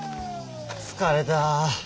疲れた。